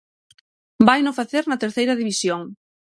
Vaino facer na Terceira División.